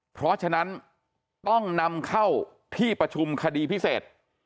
เพราะฉะนั้นต้องนำเข้าที่ประชุมคดีพิเศษ